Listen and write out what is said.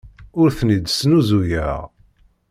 Ur ten-id-snuzuyeɣ.